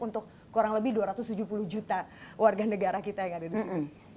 untuk kurang lebih dua ratus tujuh puluh juta warga negara kita yang ada di sini